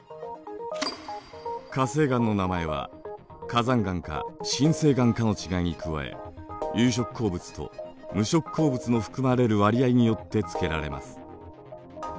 火成岩の名前は火山岩か深成岩かの違いに加え有色鉱物と無色鉱物の含まれる割合によって付けられます。